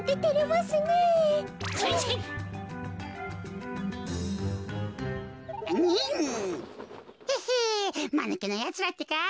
まぬけなやつらってか。